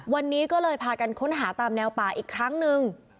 วันนี้ก็เลยพากันค้นหาตามแนวป่าอีกครั้งหนึ่ง